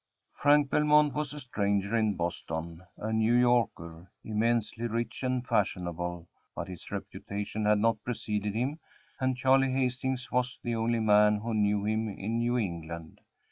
Frank Belmont was a stranger in Boston a New Yorker immensely rich and fashionable, but his reputation had not preceded him, and Charley Hastings was the only man who knew him in New England.